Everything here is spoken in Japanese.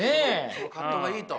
その葛藤がいいと。